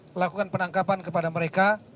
melakukan penangkapan kepada mereka